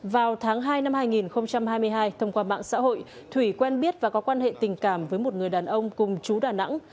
vào tháng hai năm hai nghìn hai mươi hai thông qua mạng xã hội thủy quen biết và có quan hệ tình cảm với một người đàn ông cùng chú đà nẵng